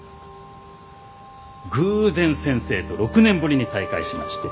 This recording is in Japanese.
偶然先生と６年ぶりに再会しまして。